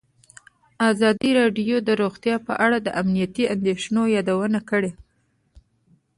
ازادي راډیو د روغتیا په اړه د امنیتي اندېښنو یادونه کړې.